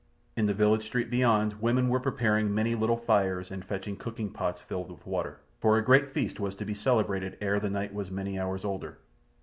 In the village street beyond women were preparing many little fires and fetching cooking pots filled with water, for a great feast was to be celebrated ere the night was many hours older.